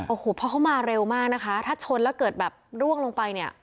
โอ้โหเพราะเขามาเร็วมากนะคะถ้าชนแล้วเกิดแบบร่วงลงไปเนี่ย